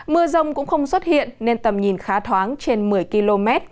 mưa rông cũng không xuất hiện nên tầm nhìn khá thoáng trên một mươi km